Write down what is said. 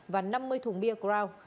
và năm mươi thùng bia crown